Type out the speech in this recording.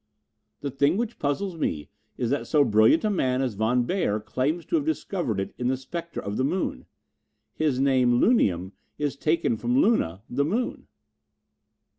The thing which puzzles me is that so brilliant a man as Von Beyer claims to have discovered it in the spectra of the moon. His name, lunium, is taken from Luna, the moon."